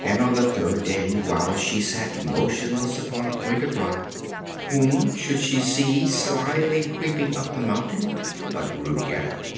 And on the third day, while she sat motionless upon a point of rock, whom should she see slyly creeping up the mountain but Ruggedo!